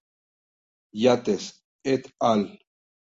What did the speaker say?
Yates "et al.